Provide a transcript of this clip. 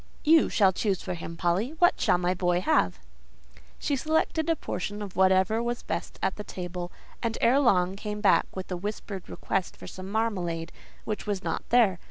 "You shall choose for him, Polly; what shall my boy have?" She selected a portion of whatever was best on the table; and, ere long, came back with a whispered request for some marmalade, which was not there.